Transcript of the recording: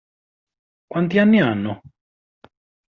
Quanti anni hanno?